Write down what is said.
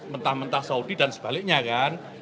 mentah mentah saudi dan sebaliknya kan